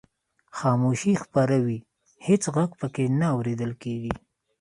خاموشي خپره وي هېڅ غږ پکې نه اورېدل کیږي.